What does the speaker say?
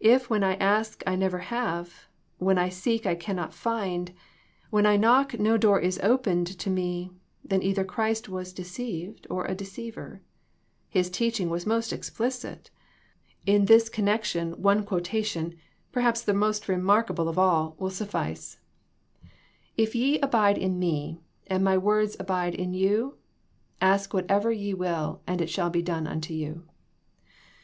If when I ask I never have ; when I seek I cannot find ; when I knock no door is opened to me, then either Christ was deceived or a deceiver. His teaching was most explicit. In this connection one quota tion, perhaps the most remarkable of all, will 24 THE PEACTICE OF PEAYEE suffice. " If ye abide in Me, and My words abide in you, ask whatsoever ye will, and it shall be done unto you."